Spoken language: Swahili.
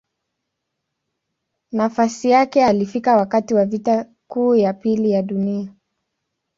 Nafasi yake alifika wakati wa Vita Kuu ya Pili ya Dunia.